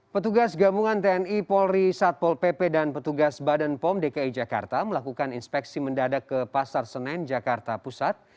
petugas gabungan tni polri satpol pp dan petugas badan pom dki jakarta melakukan inspeksi mendadak ke pasar senen jakarta pusat